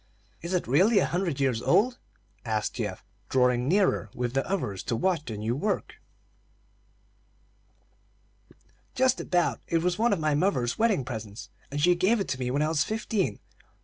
"Is it really a hundred years old?" asked Geoff, drawing nearer with the others to watch the new work. "Just about. It was one of my mother's wedding presents, and she gave it to me when I was fifteen.